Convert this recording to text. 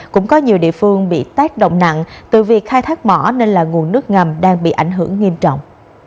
cũng có nhiều địa phương bị tác động nặng từ việc khai thác mỏ nên là nguồn nước ngầm đang bị ảnh hưởng nghiêm trọng